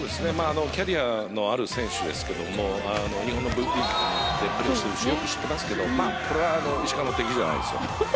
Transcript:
キャリアのある選手ですけども日本のジェイテックでプレーしていてよく知っていますけど石川の敵じゃないですよ。